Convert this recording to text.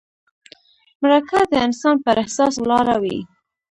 مرکه د انسان پر احساس ولاړه وي.